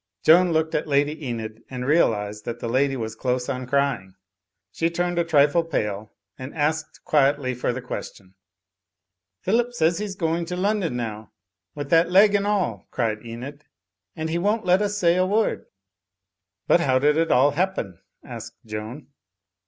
Joan looked at Lady Enid and realised that the lady was close on cr3ring. She turned a trifle pale and asked quietly for the question. "Phillip says he's going to London now, with that leg and all," cried Enid, "and he won't let us say a word." "But how did it all happen?" asked Joan.